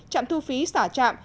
trạm thu phí xả trạm